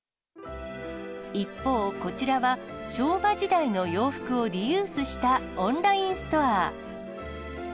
一方こちらは、昭和時代の洋服をリユースしたオンラインストア。